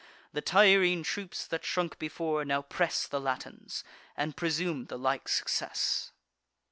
The Tyrrhene troops, that shrunk before, now press The Latins, and presume the like success.